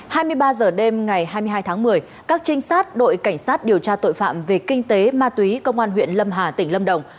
hai mươi ba h đêm ngày hai mươi hai tháng một mươi các trinh sát đội cảnh sát điều tra tội phạm về kinh tế ma túy công an huyện lâm hà tỉnh lâm đồng